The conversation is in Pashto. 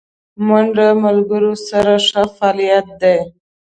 منډه د ملګرو سره ښه فعالیت دی